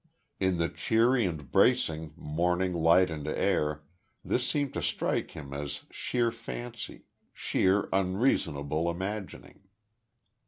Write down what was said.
In the cheery and bracing morning light and air, this seemed to strike him as sheer fancy, sheer unreasonable imagining.